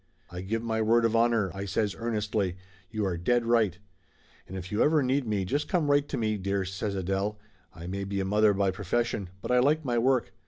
"I give my word of honor!" I says earnestly. "You are dead right !" "And if you ever need me just come right to me, dear," says Adele. "I may be a mother by profession, but I like my work.